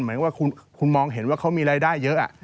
หมายถึงว่าคุณมองเห็นว่าเขามีรายได้เยอะ